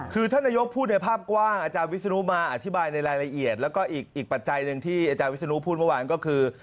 คือท่านนายกพูดในภาพกว้างอาจารย์วิศนุมาอธิบายในรายละเอียดแล้วก็อีกปัจจัยหนึ่งที่อาจารย์วิศนุพูดเมื่อวานก็คือ